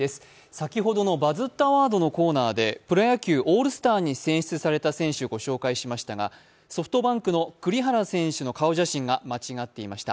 先ほどの「バズったワード」のコーナーでプロ野球オールスターに選出された選手を紹介しましたがソフトバンクの栗原選手の顔写真が間違っていました。